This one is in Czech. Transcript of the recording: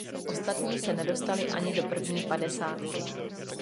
Ostatní se nedostali ani do první padesátky.